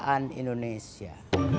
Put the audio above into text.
hari pernikahan indonesia